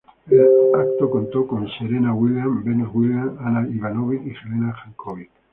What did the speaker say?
El evento contó con Serena Williams, Venus Williams, Ana Ivanovic y Jelena Jankovic.